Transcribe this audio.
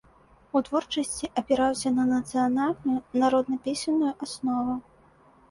У творчасці апіраўся на нацыянальную народна-песенную аснову.